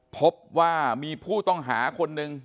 พบว่ามีผู้ต้องหาคนหนึ่ง